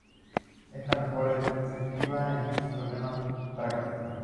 Esta mejora es muy efectiva en muchos problemas prácticos.